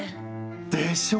でしょう？